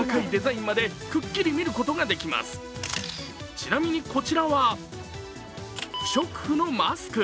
ちなみにこちらは、不織布のマスク。